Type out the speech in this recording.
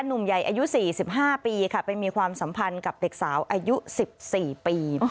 หนุ่มใหญ่อายุ๔๕ปีค่ะไปมีความสัมพันธ์กับเด็กสาวอายุ๑๔ปี